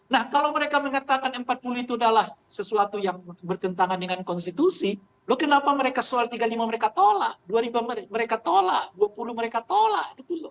nah kalau mereka mengatakan empat puluh itu adalah sesuatu yang bertentangan dengan konstitusi loh kenapa mereka soal tiga puluh lima mereka tolak dua ribu mereka tolak dua puluh mereka tolak gitu loh